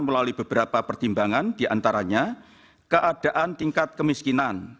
melalui beberapa pertimbangan diantaranya keadaan tingkat kemiskinan